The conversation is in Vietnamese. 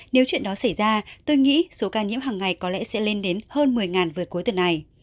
nếu chuyện đó xảy ra tôi nghĩ số ca nhiễm hằng ngày có lẽ sẽ lên đến hơn một mươi về cuối tuần này